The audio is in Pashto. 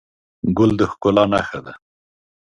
ګل د ښکلا نښه ده.